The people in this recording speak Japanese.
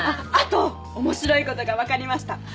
あと面白いことが分かりました。